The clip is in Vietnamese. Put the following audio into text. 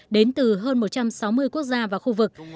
đến từ hơn một trăm sáu mươi quốc gia và khu vực